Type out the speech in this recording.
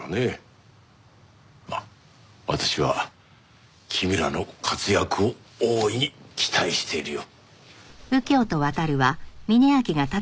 まあ私は君らの活躍を大いに期待しているよ。